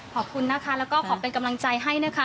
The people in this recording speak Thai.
ขอบคุณนะคะแล้วก็ขอเป็นกำลังใจให้นะคะ